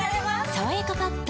「さわやかパッド」